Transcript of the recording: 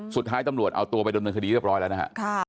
สุดท้ายตำรวจเอาตัวไปดำเนินคดีเรียบร้อยแล้วนะฮะ